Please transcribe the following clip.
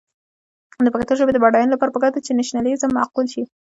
د پښتو ژبې د بډاینې لپاره پکار ده چې نیشنلېزم معقول شي.